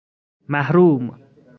محروم